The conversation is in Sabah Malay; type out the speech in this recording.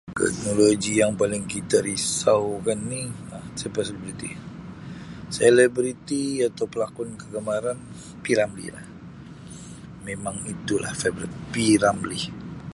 "Teknologi yang paling kita risaukan ni, Um siapa selebriti? selebriti atau pelakon kegemaran P. Ramlee lah, memang itulah ""favourite"" P. Ramlee."